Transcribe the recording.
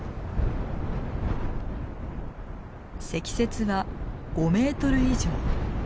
積雪は５メートル以上。